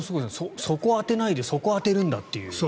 そこを当てないでそこを当てるんだという。